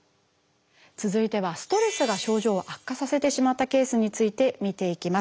続いてはストレスが症状を悪化させてしまったケースについて見ていきます。